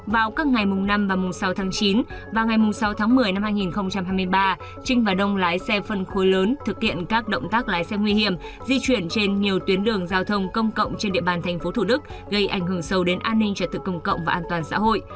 vào các ngày mùng năm và mùng sáu tháng chín và ngày sáu tháng một mươi năm hai nghìn hai mươi ba trinh và đông lái xe phân khối lớn thực hiện các động tác lái xe nguy hiểm di chuyển trên nhiều tuyến đường giao thông công cộng trên địa bàn tp thủ đức gây ảnh hưởng sâu đến an ninh trật tự công cộng và an toàn xã hội